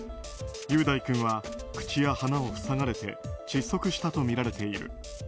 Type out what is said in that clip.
雄大君は口や鼻を塞がれて窒息したとみられている。